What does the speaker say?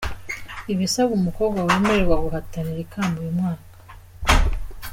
Ibisabwa umukobwa wemererwa guhatanira ikamba uyu mwaka:.